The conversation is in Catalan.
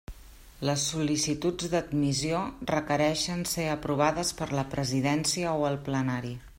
Les sol·licituds d'admissió requereixen ser aprovades per la presidència o el plenari.